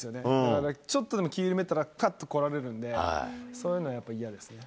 だからちょっとでも気抜いたら、かっと来られるんで、そういうのやっぱり嫌ですね。